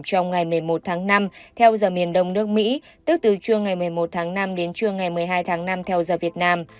trong ngày một mươi một tháng năm theo giờ miền đông nước mỹ tức từ trưa ngày một mươi một tháng năm đến trưa ngày một mươi hai tháng năm theo giờ việt nam